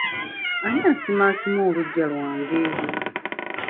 Ani asimaasima oluggya lwange?